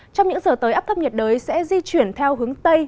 trong những giờ tới áp thấp nhiệt đới sẽ di chuyển theo hướng tây